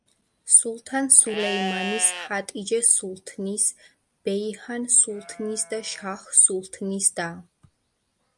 სულთან სულეიმანის, ჰატიჯე სულთნის, ბეიჰან სულთნის და შაჰ სულთნის და.